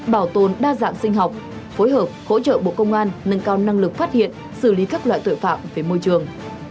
bảo tồn đa dạng sinh học phối hợp hỗ trợ bộ công an nâng cao năng lực phát hiện xử lý các loại tội phạm về môi trường